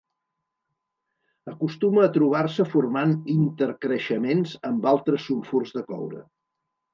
Acostuma a trobar-se formant intercreixements amb altres sulfurs de coure.